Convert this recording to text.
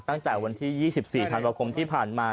ตั้งแต่วันที่๒๔ธันวาคมที่ผ่านมา